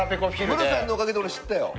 ムロさんのおかげで俺知ったよ。